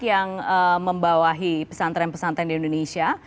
yang membawahi pesantren pesantren di indonesia